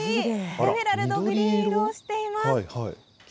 エメラルドグリーン色をしています。